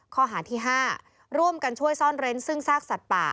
ข้อหาที่๕ร่วมกันช่วยซ่อนเร้นซึ่งซากสัตว์ป่า